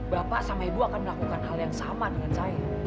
bapak sama ibu akan melakukan hal yang sama dengan saya